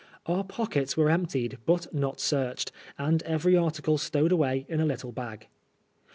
Our pockets were emptied, but not searched, and every article stowed away in a little bag.